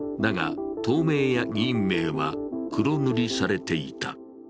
だが、党名や議員名は黒塗りされていた。